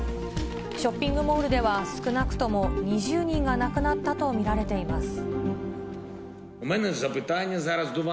ショッピングモールでは少なくとも２０人が亡くなったと見られています。